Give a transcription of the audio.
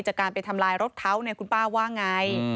จากการไปทำลายรถเขาคุณป้าว่าไง